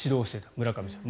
村上さんに。